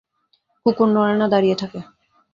কুকুর নড়ে না, দাঁড়িয়ে থাকে।